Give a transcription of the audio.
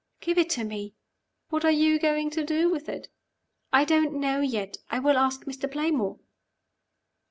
"Give it to me." "What are you going to do with it?" "I don't know yet. I will ask Mr. Playmore."